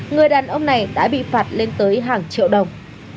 người đàn ông này đã bị phạt lên tới hàng triệu đồng